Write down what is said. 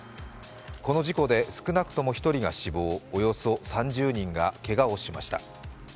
この事故で、少なくとも１人が死亡およそ３０人がけがをしました。